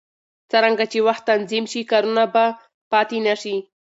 څرنګه چې وخت تنظیم شي، کارونه به پاتې نه شي.